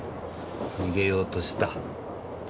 逃げようとした。